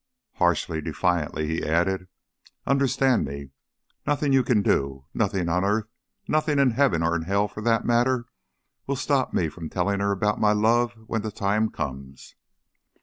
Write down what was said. Harshly, defiantly, he added: "Understand me, nothing you can do, nothing on earth nothing in Heaven or in hell, for that matter will stop me from telling her about my love, when the time comes.